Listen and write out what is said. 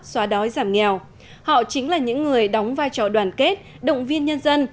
làm nghèo họ chính là những người đóng vai trò đoàn kết động viên nhân dân